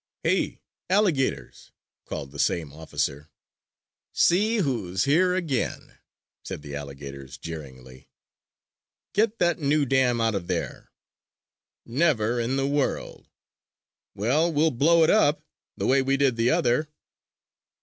"Hey, alligators!" called the same officer. "See who's here again!" said the alligators, jeeringly. "Get that new dam out of there!" "Never in the world!" "Well, we'll blow it up, the way we did the other!"